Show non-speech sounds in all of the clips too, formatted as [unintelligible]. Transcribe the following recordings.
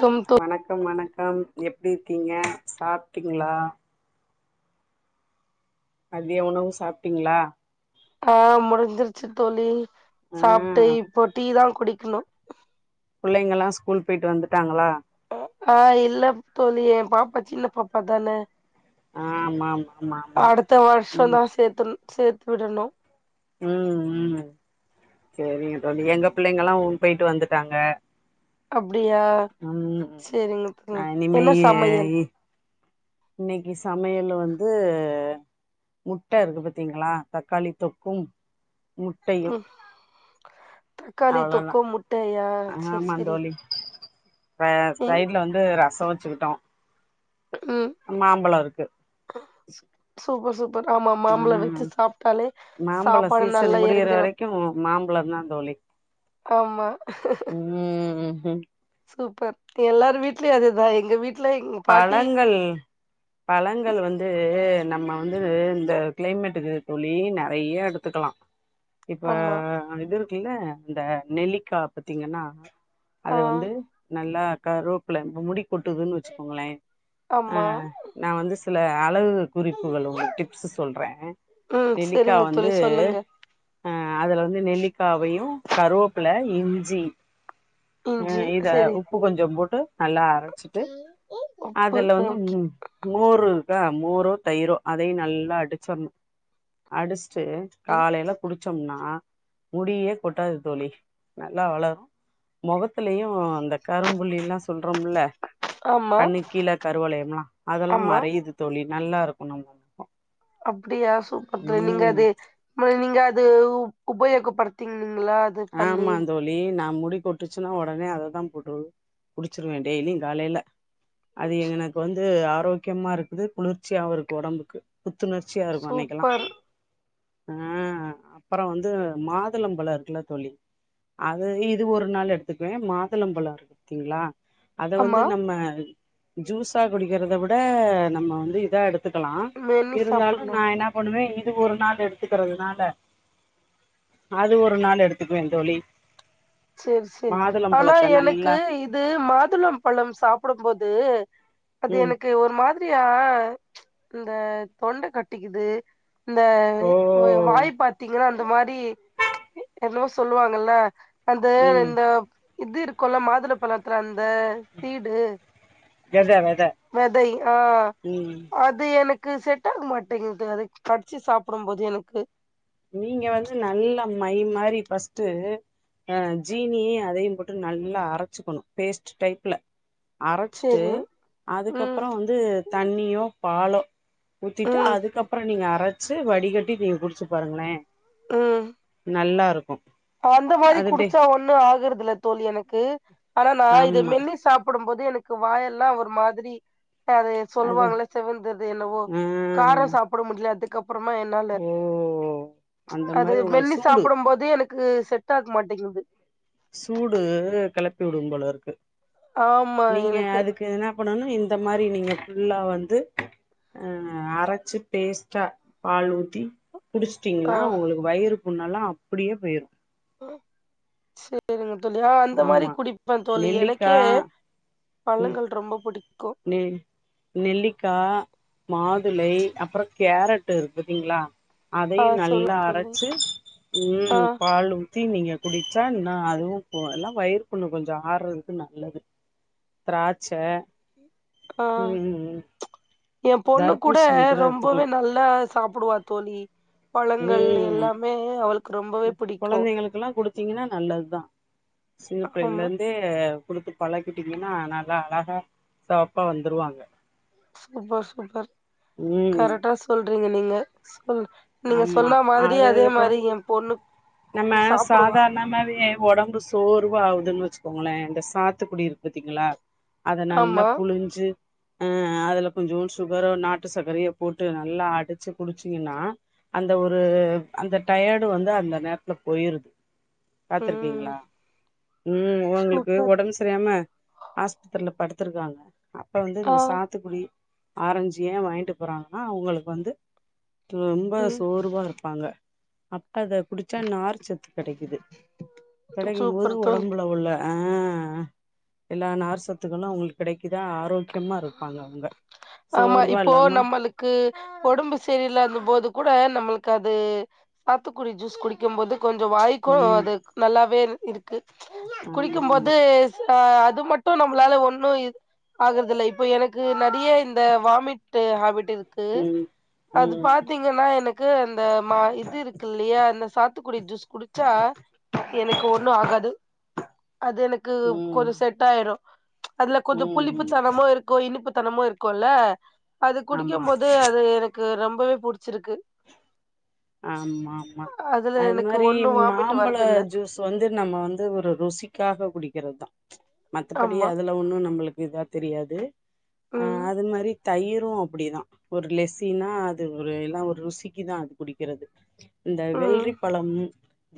Come தோ வணக்கம் வணக்கம் எப்டி இருக்கீங்க சாப்டீங்களா மதிய உணவு சாப்டீங்களா ஆ முடிஞ்சிருச்சு தோழி ஆ சாப்டு இப்ப டீ தா குடிக்கணு புள்ளைங்கல்லா ஸ்கூல் போயிட்டு வந்துட்டாங்களா ஆ இல்ல தோழி பாப்பா சின்ன பாப்பா தான ஆ ஆமா ஆமா ஆமா ஆமா அடுத்த வர்ஷொந் ம் தா சேத்து சேத்து விடணு ம் ம் செரிங்க தோழி எங்க பிள்ளைங்கல்லா உன் போயிட்டு வந்துட்டாங்க அப்டியா ம் சேரிங்க நா தோழி இனிமே என்ன சமையல் இன்னக்கி சமையலு வந்து முட்ட இருக்கு பத்திங்களா தக்காளி தொக்கு முட்டையு ம் தக்காளி அவ்ளோதா தொக்கு முட்டையா சேரி ஆமாந் சேரி தோழி [unintelligible] ம் சைட்ல வந்து ரசொ வச்சுக்கிட்டோ ம் மாம்பழொ இருக்கு சூப்பர் சூப்பர் ஆமா மாம்பழொ ம் வெச்சு சாப்டாலே சாப்பாடு நல்லா எறங்கிரு [unintelligible] மாம்பழந் தா தோழி ஆமா ம் சூப்பர் எல்லாரு வீட்லயு அதுதா எங்க வீட் பழங்கள் பழங்கள் வந்து நம்ம வந்து இந்த கிளைமேட்டுக்கு தோழி நெறயா எடுத்துக்கலா இப்ப ஆமா இது இருக்குல்ல இந்த நெல்லிக்கா பத்திங்கனா அத ஆ வந்து நல்லா கருவப்புல இப்ப முடி கொட்டுதுனு வச்சுக்கோங்களே அ ஆமா நா வந்து சில அழகு குறிப் புகள் உங்களுக் டிப்ஸ் சொல்றே ம் நெல்லிக்கா செரிங்க தோழி வந்து சொல்லுங்க அ அதுல வந்து நெல்லிக்காவயு கருவப்புல இஞ்சி அ இஞ்சி இத செரி உப்பு கொஞ்சொ போட்டு நல்லா அரச்சிட்டு உப்பு அதுல வந்து ஓகே மு மோரு இருக்கா மோருரோ தயிரோ அதையு நல்லா அடுச்சர்ணு அடுச்ட்டு காலைல குடுச்சோம்னா முடியே கொட்டாது தோழி நல்லா வளரு மொகத்துலயு அந்த கரும்புள்ளி எல்லா சொல்றோம்ல ஆமா கண்ணுக்கு கீழ கருவலயம்ல்லா அதெல்லா ஆமா மறையுது தோழி நல்லா இருக்கு நமக்கு அப்டியா சூப்பர் தோழி நீங்க அது நீங்க அது உபயோகப்படுத்துன் நீங்களா ஆமாந் தோ ழி நா முடி கொட்டுச்சுன்னா ஒடனே அததா போட்டு குடுச்சுருவே டெய்லியு காலைல அது எனக்கு வந்து ஆரோக்கியமா இருக்குது குளுர்ச்சியாவு இருக்கு ஒடம்புக்கு புத்துணர் ச்சியா இருக்கு அன்னைக்கெலா சூப்பர் அ அப்பறொ வந்து மாதுளம்பழொ இருக்குல்ல தோழி அது இது ஒரு நாள் எடுத்துக்குவே மாதுளம்பழொ இருக்குத்திங்ளா அத வந்து ஆமா நம்ம ஜூஸா குடிக்கிறத விட நம்ம வந்து இதா எடுத் துக்கலா மென்னு இருந்தாலு சாப்புட்ணு நா என்ன பண்ணுவே இது ஒரு நாள் எடுத் துக்கிறதுனால அது ஒரு நாள் எடுத்துக்குவே தோழி சேரி சேரி ஆனா மாதுளம்பழத்த எனக்கு நல்லா இ து மாதுளம் பழம் சாப்புடம்போது அது ம் எனக்கு ஒரு மா தியா இந்த தொண்ட கட்டிக்கிது இந்த ஓ வாய் பாத்தீங்கன்னா அந்த மாரி என்னவோ சொல்லுவாங்கல்ல அந்த ம் இந்த இது இருக்குல்ல மாதுள பழத்துல அந்த சீடு வெத வெத வெதை ஆ ம் அது எனக் கு செட் ஆக மாட்டேங்கிது அது கடுச்சு சாப்புடம் போது எனக்கு நீங்க வந்து நல்லா மை மாரி ஃபஸ்ட்டு ஆ ஜீனியியு அதையு போட்டு நல்லா அரச்சுக்குணு பேஸ்ட்டு டைப்ல அரச்சுட்டு சேரி ம் அதுக்கப்புறோ வந்து தண்ணியோ பாலோ ஊத்திட்டு ம் அதுக்கப்புறோ நீங்க அரச்சு வடிகட்டி நீங்க குடிச்சு பாருங்ளே ம் நல்லா இருக்கு அந்த மாரி அது டே குடிச்சா ஒன்னு ஆகுறதில்ல தோழி எனக்கு ஆனா நான் இத ஆமா மென்னு சாப் புடும்போது எனக்கு வாயெல்லா ஒரு மாதிரி அது அது சொல்லுவாங்கள செவந்தது என்னவோ ஆ காரோ சாப்புட முடில அது கப்புறமா என்னால ஓ அந்த அது மாரி உங்களுக்கு மென்னு சூடு சாப்படும்போது எனக் கு செட் ஆக மாட்டேங்குது சூடு கெளப்பி உடும் போல இருக்கு ஆமா நீங்க எனக்கு அதுக்கு என்ன பண்ணணு இந்த மாரி நீங்க ஃபுல்லா வந்து அ அரச்சு பேஸ்ட்டா பால் ஊத்தி ஆ குடிச்ட்டீங்கனா உங்களுக்கு வயிறு புண்ணல்லா அப்புடியே போய்ரு அ சரிங்க தோழி நா அந்த மாரி ஆமா குடிப்பன் தோழி நெல்லிக்கா எனக்கே ம் பழங்கள் ரொம்ப புடிக்கு நெ நெல்லிக்கா மாதுளை அப்புறோ கேரட்டு் இருக் பாத்தீங்ளா ஆ அதையு நல்லா சொல்லுங்க தோழி அரச்சு ஆ ம் பால் ஊத் தி நீங்க குடிச்சா இன்னு அதுவு கொ எல்லா வயிறு புண்ணு கொஞ்சோ ஆறதுக்கு நல்லது திராச்ச ஆ என் பொண்ணு கூட தர்பூசணி ரொம்பவே எடுத்துக்கலா நல் லா சாப்புடுவா தோழி பழங்கள் எல்லாமே அவளு கொழந்தைங்களுக்குலா குடுத்தீங்கனா நல்லதுதா சின்னப்பிள்ளைல ஆமா இர்ந்தே குடுத்து பழக்கிட்டீங்கனா நல்லா அழகா செவப்பா வந்துருவாங்க சூப்பர் சூப்பர் ம் கரட்டா சொல்றீங்க நீங்க ம் நீங்க ஆமா சொன்னா மாதிரி அதே அதுக்கப்புறோ மாரி என் பொண்ணு நம்ம சாப்புடுவா சாதார்ண் ணமாவே ஒடம்பு சோர்வா ஆவுதுன் வச்சுக்கோங்குளே இந்த சாத்துகுடி இருக் பாத்தீங்குளா அத நல்லா ஆமா புழுஞ்சு அ அதுல கொஞ்சோ சுகரோ நாட்டு சக்கரையோ போட்டு நல்லா அடுச்சி குடிச்சீங்கனா அந்த ஒரு அந்த டயர்டு வந்து அந்த நேர் த்ல போயிருது ம் பாத்துருக்கீங்ளா ம் ஒங்குளுக்கு சூப்பர் ஒடம்ஸ் சரியாம ஆஸ்பத்திரல படுத்திருக்காங்க அப்ப வந்து ஆ இந்த சா த்துகுடி ஆரஞ்சு ஏன் வாங்கிட்டு போறாங்கனா அவுங்களுக் வந்து ரொம்ப ம் சோர்வா இருப்பாங்க அப்ப இத குடிச்சா நார்சத்து கெடைக்குது கெடைக்குமோது சூப்பர் தோழி ஒடம்புல உள்ள ஆ எல்லா நார்சத்துகளு அவுங்ளுக் கெடைக்குதா ஆரோக்கியமா இருப்பாங்க அவ்ங்க சோர்வா இல்லாம க்கு ஒடம்பு சரியில்லாத போது கூட நம்மளுக்கு அது சாத்துக்குடி ஜூஸ் குடிக்கும் போது கொஞ்சோ வாய் க்கு ம் அது நல்லாவே இருக்கு ஆமா குடிக்கும்போது ஆமா ஆ அது மட்டு நம்ளால ஒன்னு இது ஆகுறதில்ல இப்போ எனக்கு நெறைய இந்த வாமிட்டு ஹேபிட் இருக்கு ம் அது ம் பாத்தீங் நீங்கன்னா எனக்கு அந்த மா இது இருக்கு இல்லையா அந்த சாத்துக்குடி ஜூஸ் குடிச்சா எனக்கு ஒண்ணு ஆகாது அது எனக் க்கு ம் கொஞ்சோ செட் ஆயிரு அதுல கொஞ்சோ ம் ம் புளிப்புத்தனமு இருக்கு இனிப்புத்தனமு இருக்குல அது ஆமா குடிக்கும் போது அது எனக் க்கு ரொம்பவே புடிச்சிருக்கு ஆமா ஆமா அதுல அது எனக்கு மாரி ஒண்ணும் வாமிட் மாம்பழ வரதில்ல. ஜூஸ் வந்து நம்ம வந்து ஒரு ருசிக்காக குடிக்கறதுதா மத்தபடி ஆமா. அதுல ஒண்ணு நம்மளுக்கு இத தெரியாது அ ம். அது மாரி தயிரு அப்டிதா ஒரு லெசினா அது ஒரு எல்லா ஒரு ருசிக்குதா அது குடிக்கறது இந்த ம். வெள்ரி பழம்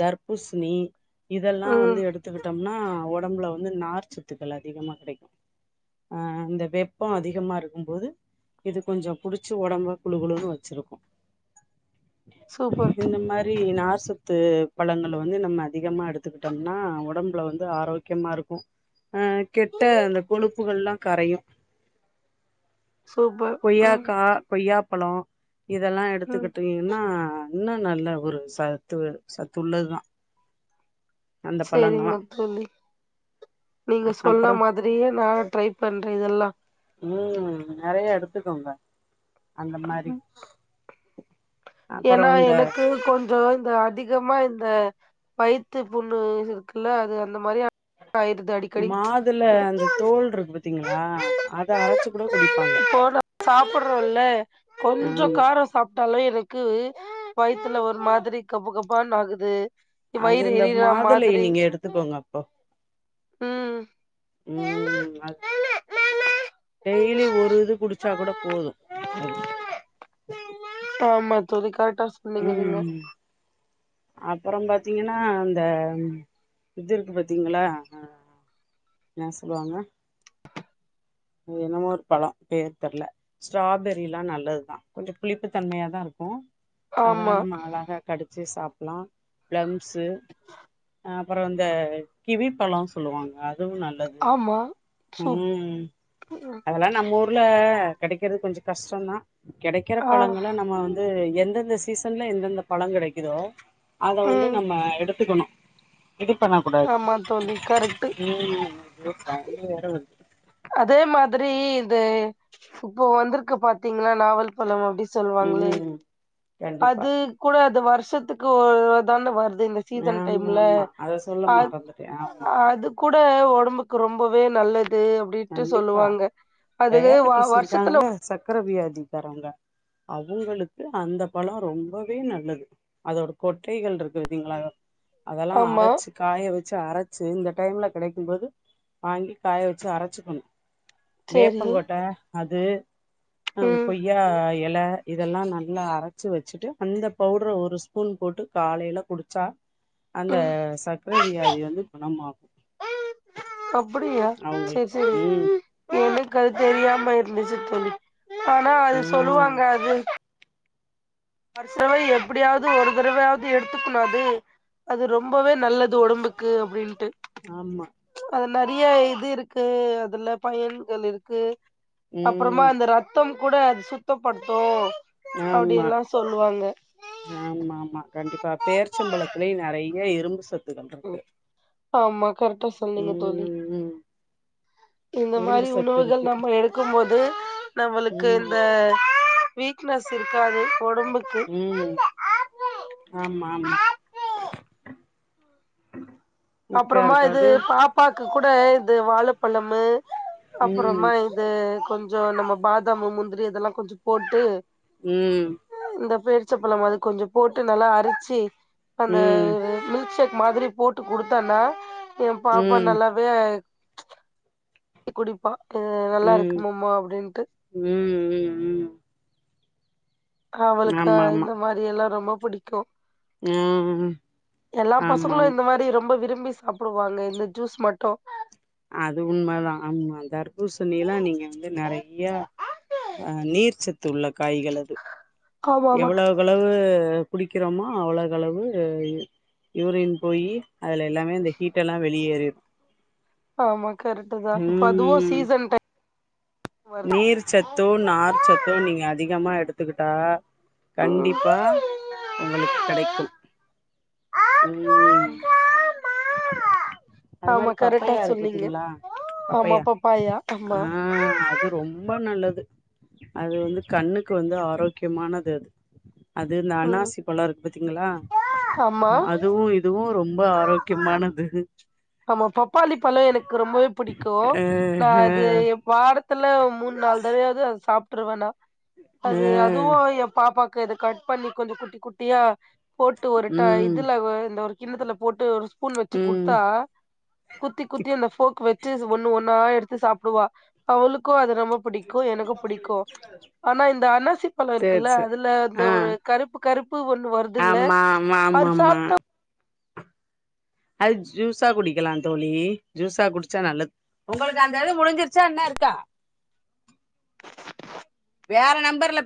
தர்பூஸ்ணி இதெல்லா வந்து ம். எடுத் துகிட்டம்னா ஒடம்புல வந்து நார் சுத்துக்கள் அதிகமா கெடைக்கு அ இந்த வெப்போ அதிகமா இருக்கும்போது இது கொஞ்சோ புடிச்சு ஒடம்ப குழுகுளுன்னு வெச்சிருக்கு சூபர் இந்த மாரி நார்சத்து பழங்கள் வந்து நம்ம அதிகமாக எடுத்துக்கிட்டம்னா ஒடம்புல வந்து ஆரோக்கிய யமா இருக்கு அ கெட்ட அந்த கொழுப்புகள்ல்லா கரையு சூப்பர். ம். கொய்யாக்கா கொய்யாப்பழோ இதெல்லா ம். எடுத்துக்கிட் ன்னா இன்னு நல்ல ஒரு சத்து சத்துள்ளதுதா அந்த பழங்கள்லா செரிங்க தோழி நீங்க சொன்ன அப்புறோ மாதிரியே நா ட்ரை பண்றே இதெல்லா ம் நெறைய எடுத்துக்கோங்க அந்த மாரி அப்புறோ ஏனா இந்த எனக்கு கொஞ்சோ இந்த அதிகமா இந்த வயித்து புண்ணு இருக்குல்ல அது அந்த மாரி ஆயிறுது அடி மாதுள அந்த தோல்ருக்கு பாத்தீங்களா அத அரச்சு கூட குடிப்பாங்க போட்றோ சாப்படறோல்ல கொஞ்சோ ஆமா காரோ சாப்ட்டாலே எனக்கு வயித்துல ஒரு மாதிரி கப கபான்னு ஆகுது அது வயிறு இந்த எரியிற மாதுளைய மாதிரி நீங்க எடுத்துக்கோங்க அப்போ ம் ம் அத் டெய்லி ஒரு இது குடிச்சா கூட போது அது ஆமா தோழி கரக்டா சொன்னீங்க நீங்க அப்பறம் பாத்தீங்கன்னா இந்த இது இருக்கு பாத்தீங்களா என்ன சொல்லுவாங்க என்னமோ ஒரு பழோ பேர் தெர்ல ஸ்ட்ராபெரி எல்லா நல்லதுதா கொஞ்சோ புளிப்புத்தன்மையதா இருக்கு அதெல்லா ஆமா, நம்ம அழகா கடிச்சு சாப்பிடலா பிளம்ஷு ஆ அப்பறோ வந்து கிவி பழோ சொல்லுவாங்க அதுவு நல்லது ஆமா சூப் ம் அதெல்லா நம்ம ஊர்ல கெடைக்கறது கொஞ்சோ கஷ்டோந்தா கெடைக்கற ஆ. பழங்கல நம்ம வந்து எந்தெந்த சீசன்ல எந்தெந்த பழோ கெடைக்குதோ அத வந்து ம். நம்ம எடுத்துக்கணு இது பண்ண கூடாது ஆமா தோழி கரெக்ட்டு. ம் [unintelligible] வண்டி வேற வருது அதே மாதிரி இது இப்ப வந்திருக்கு பாாத்தீங்களா நாவல் ப்பழம் அப்டி சொல்லுவாங்களே ம் கண்டிப்பா அது கூட அது வருஷத்துக்கு ஒரு தான வருது இந்த சீசன் ஆமா டைம்ல ஆமா அத சொல்ல அ மறந்துட்டே ஆமா அது கூட உடம்புக்கு ரொம்பவே நல்லது அப்படின்னுடு கண்டிப்பா சொல்லுவாங்க அது டயாபட்டிஸ் வருஷத்துல இருக்காங்கல்ல சக்கர வியாதி தரங்க அவங்களுக்கு அந்த பழம் ரொம்பவே நல்லது அதோட கொட்டைகள் இருக்கு பாத்தீங்களா அதெல்லா ஆமா. அரைச்சு காய வச்சு அரைச்சு இந்த டைம்ல கிடைக்கும்போது வாங்கி காய வச்சு அரைச் வச்சுக்கணு சரி. வேப்பங்கோட்ட அது ம், கொய்யா இல இதெல்லா நல்லா அரைச்சு வச்சுட்டு அந்த பவுடர ஒரு ஸ்பூன் போட்டு காலையில குடிச்சா அந்த ம். சக்கர வியாதி வந்து குணமாகும் அப்படியா சரி சரி ம் எனக்கு அது தெரியாம இருந்துசு தோழி ஆனா அது ஆ சொல்லுவாங்க அது வருசவை எப்படியாவது ஒரு தடவையாவது எடுத்துக்கணும் அது அது ரொம்பவே நல்லது உடம்புக்கு அப்படின்ட்டு ஆமா அதுல நிறைய இது இருக்கு அதுல பயன்கள் இருக்கு அப்புறமா ம் அந்த ரத்தம் கூட அது சுத்தப்படுத்தும் அப்படி ஆமா எல்லா சொல்லுவாங்க ஆமா ஆமா கண்டிப்பா பேர்ச்சம்பழத்திலயு நிறைய இரும்பு சத்து ம் ஆமா கரெக்டா சொன்னீங்க தோழி ம் [inaudible] இந்த இரும்பு மாதிரி சத்து உணவுகள் இருக்கு நம்ம எடுக்கும் போது நம்மளுக்கு இந்த ம் வீக்னஸ் இருக்காது உடம்புக்கு உம் ஆமா ஆமா உ [inaudible] அப்புறமா இது பா அப்பாக்கு கூட இது வாழப்பழமு ம் அப்புறமா இது கொஞ் சம் நம்ம பாதாம் முந்திரி இதெல்லா கொஞ்சம் போட்டு உம் இந்த பேரிச்சப்பழம் அது கொஞ்ச போட்டு நல்லா அரிச்சு அந்த ம் மில்க் ஷேக் மாதிரி போட்டு குடுத்தன்னா எ பாப்பா ம் நல்லாவே குடிப்பா நல்லா இருக்கு மாம்மா அப்படின்ட்டு உம் உம் அவளுக்கு ஆமா ஆமா இந்த மாதிரி எல்லா ரொம்ப புடிக்கும் ம் எல்லா ஆமா ஆமா பசங்களும் இந்த மாறி ரொம்ப விரும்பி சாப்டுவாங்க இந்த ஜூஸ் மட்டும் அது உண்ம தா ஆமா தர்பூர்சன்னி எல்லா நீங்க வந்து நெறைய ஆ நீர்ச்சத்து உள்ள காய்கள் அது ஆமா ஆமா எவ்ளோ எவ்வளவு குடிக்கிறோமோ அவ்ளோகளவு யூரின் போயி அதுல எல்லாமே இந்த ஹீட்டெல்லா வெளியேறிம் ஆமா கரெக்ட் தா அதுவும் ம் சீசன் டைம் வருது நீர் சத்து நார் சத்து நீங்க அதிகமா எடுத்துக்கிட்டா ம் கண்டிப்பா உங்களுக்கு கெடைக்கும் உம் அது ஆமா மாறி கரெக்டா பப்பையா இருக்கு சொன்னீங்க பாத்தீங்களா ஆமா பப்பையா பப்பாயா ஆமா ஆ அது ரொம்ப நல்லது அது வந்து கண்ணுக்கு வந்து ஆரோக்கியமானது அது இந்த ம் அன்னாசி பழம் இருக்கு பாத்தீங்களா ஆமா அதுவும் இதுவும் ரொம்ப ஆரோக்கியமானது ஆமா பப்பாளி பழம் எனக்கு ரொம்பவே பிடிக்கும் ஆஹ நான் அது எ வாரத்துல மூணு நாளு தடையாவது அது சாப்ட்ருவேன்னா ஆ அது அதுவும் என் பாப்பாக்கு இதை கட் பண்ணி கொஞ்சம் குட்டி குட்டியா போட்டு ஒரு ட ம் இதுல இந்த ஒரு கிண்ன த்துல போட்டு ஒரு ஸ்பூன் வச்சு ம் குடுத்தா குத்தி குத்தி அந்த போக் வச்சு அது ஒண்ணு ஒன்னா எடுத்து சாப்டுவா அவளுக்கும் அது ரொம்ப புடிக்கும் எனக்கும் புடிக்கும் ஆனா இந்த அன்னாசி பழம் சேர் இருக்குல்ல சேர் அதுல இந்த ஆ ஒரு கருப்பு கருப்பு ஒண்ணு வருதுல்ல ஆமா ஆமா ஆமா அரு ஆமா சாப்ட்டா அது ஜூஸா குடிக்கலாம் தோழி ஜூஸா குடிச்சா நல்லத் உங்களுக்கு அந்த இது முடிஞ்சிருச்சா இன்னம் இருக்கா வேற நம்பர்ல பே